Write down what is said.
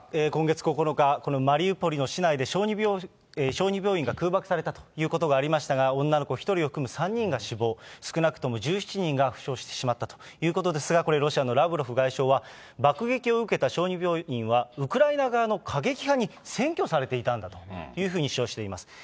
今月９日、このマリウポリの市内で小児病院が空爆されたということがありましたが、女の子１人を含む３人が死亡、少なくとも１７人が負傷してしまったということですが、これ、ロシアのラブロフ外相は、爆撃を受けた小児病院は、ウクライナ側の過激派に占拠されていたんだというふうに主張しています。